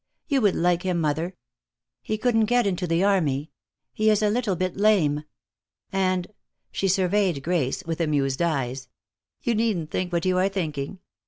"You would like him, mother. He couldn't get into the army. He is a little bit lame. And " she surveyed Grace with amused eyes, "you needn't think what you are thinking.